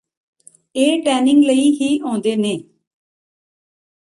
ਇਹ ਟੈਨਿੰਗ ਲਈ ਹੀ ਆਉਂਦੇ ਨੇ